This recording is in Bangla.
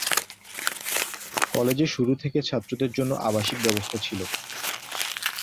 কলেজে শুরু থেকেই ছাত্রদের জন্য আবাসিক ব্যবস্থা ছিলো।